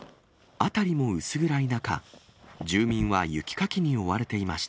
辺りも薄暗い中、住民は雪かきに追われていました。